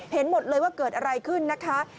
เห็นหมดเลยว่าเกิดอะไรขึ้นนะคะ